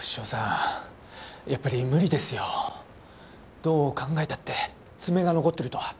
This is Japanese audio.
どう考えたって爪が残っているとは。